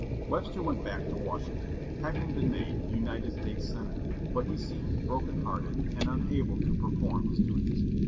Webster went back to Washington, having been made United States senator, but he seemed broken hearted, and unable to perform his duties.